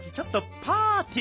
パーティー？